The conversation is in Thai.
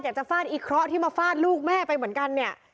ฟาดอีเคราะห์ที่มาฟาดลูกแม่ไปเหมือนกันเนี่ย